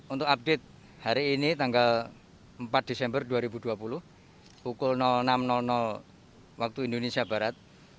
untuk update hari ini tanggal empat desember dua ribu dua puluh pukul enam waktu indonesia barat